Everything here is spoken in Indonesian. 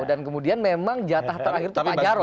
dan kemudian memang jatah terakhir itu pak jarod